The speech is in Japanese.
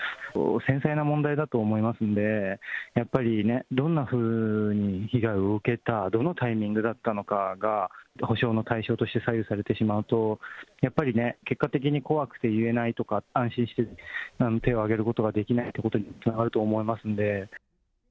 繊細な問題だと思いますんで、やっぱり、どんなふうに被害を受けた、どのタイミングだったのかが補償の対象として左右されてしまうと、やっぱりね、結果的に怖くて言えないとか、安心して手を挙げることができないってことにつながると思います